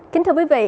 kính thưa quý vị